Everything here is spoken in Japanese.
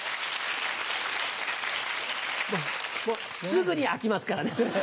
もうすぐに空きますからね。